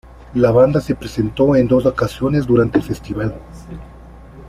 La banda se presentó en dos ocasiones durante el festival.